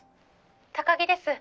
高木です